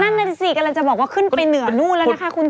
นั่นน่ะสิกำลังจะบอกว่าขึ้นไปเหนือนู่นแล้วนะคะคุณ